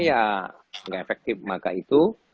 ya nggak efektif maka itu